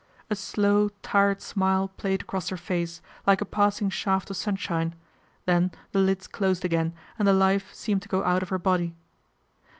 A slow, tired smile played across her face, like a passing shaft of sunshine, then the lids closed again and the life seemed to go out of her body.